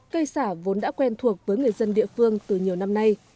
cây xả vốn đã quen thuộc với người dân địa phương từ nhiều năm nay